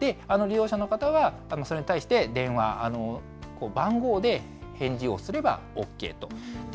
利用者の方は、それに対して、電話、番号で返事をすればＯＫと。